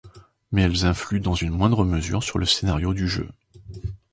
Mais elles influent dans une moindre mesure sur le scénario du jeu.